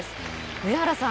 上原さん